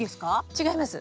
違います。